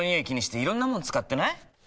気にしていろんなもの使ってない？